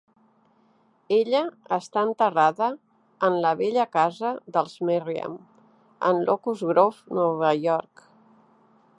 Ella està enterrada en la vella casa dels Merriam en Locust Grove, Nova York.